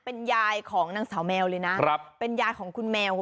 เป็นยายของนางสาวแมวเลยนะเป็นยายของคุณแมว